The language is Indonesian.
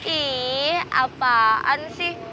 ih apaan sih